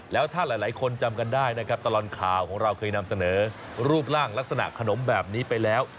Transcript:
แล้วถ้าหลายคนจำกันได้นะครับตลอดข่าวของเราเคยนำเสนอรูปร่างลักษณะขนมแบบนี้ไปแล้ว